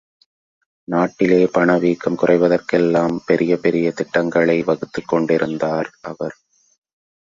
நாட்டிலே பண வீக்கம் குறைவதற்கெல்லாம் பெரிய பெரிய திட்டங்களை வகுத்துக் கொண்டிருந்தார் அவர்.